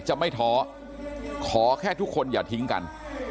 จะไม่ท้อขอแค่ทุกคนอย่าทิ้งกัน